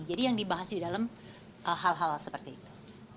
jadi yang dibahas di dalam hal hal seperti itu